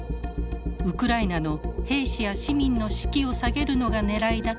ウクライナの兵士や市民の士気を下げるのがねらいだと見られています。